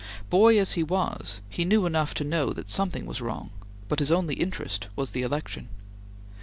Boy as he was, he knew enough to know that something was wrong, but his only interest was the election.